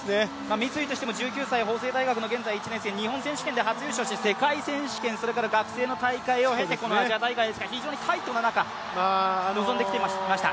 三井としても１９歳、法政大学の現在１年生、日本選手権で初優勝して、世界選手権、それから学生の大会を経てこのアジア大会ですから非常にタイトな中臨んできていました。